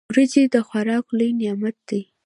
وريجي د خوراک لوی نعمت دی.